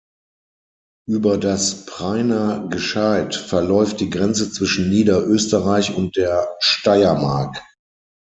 Über das Preiner Gscheid verläuft die Grenze zwischen Niederösterreich und der Steiermark.